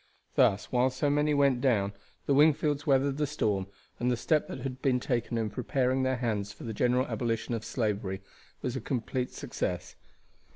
Thus, while so many went down, the Wingfields weathered the storm, and the step that had been taken in preparing their hands for the general abolition of slavery was a complete success.